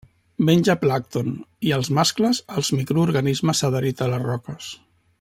Menja plàncton i, els mascles, els microorganismes adherits a les roques.